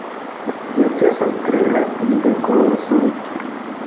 Necesas tre rapide konsulti.